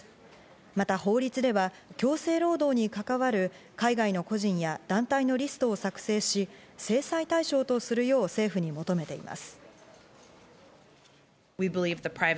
また法律では強制労働に関わる海外の個人や団体のリストを作成し、制裁対象とするよう政府に求めています。